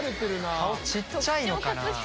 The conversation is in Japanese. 顔小っちゃいのかな。